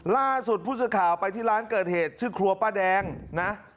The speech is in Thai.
ล่าสุดผู้สื่อข่าวไปที่ร้านเกิดเหตุชื่อครัวป้าแดงนะ